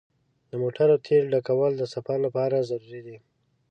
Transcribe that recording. د موټر تیلو ډکول د سفر لپاره ضروري دي.